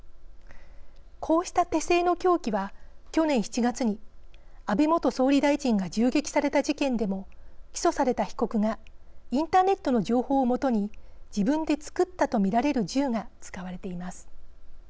こうした手製の凶器は去年７月に安倍元総理大臣が銃撃された事件でも起訴された被告がインターネットの情報を基に自分で作ったと見られる銃が使われています。